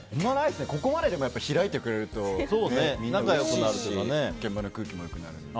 ここまで開いてくれるとうれしいし現場の空気も良くなるので。